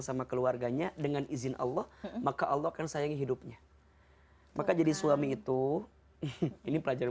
sama keluarganya dengan izin allah maka allah akan sayangi hidupnya maka jadi suami itu ini pelajaran